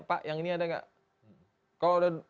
pak yang ini ada nggak